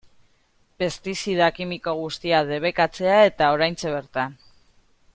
Pestizida kimiko guztiak debekatzea eta oraintxe bertan.